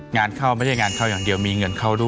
งานเข้าไม่ใช่งานเข้าอย่างเดียวมีเงินเข้าด้วย